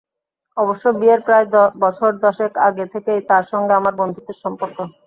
অবশ্য বিয়ের প্রায় বছর দশেক আগে থেকেই তাঁর সঙ্গে আমার বন্ধুত্বের সম্পর্ক।